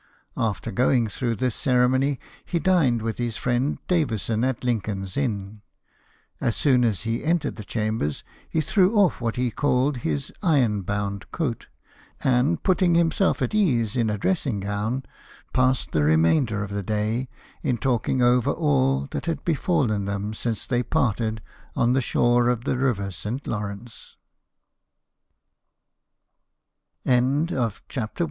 After going through this cere mony, he dined with his friend Davison at Lincoln's Inn. As soon as he entered the chambers he threw off what he called his iron bound coat ; and, putting himself at ease in a dressing gown, passed the re mainder of the day in talking over all that had befallen them since they parted on t